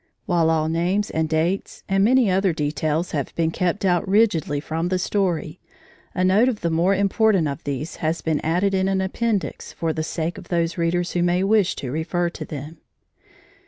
While all names and dates, and many other details, have been kept out rigidly from the story, a note of the more important of these has been added in an Appendix for the sake of those readers who may wish to refer to them.